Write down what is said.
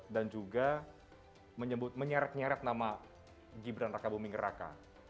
dan juga menyeret nyeret nama gibran raka buming raka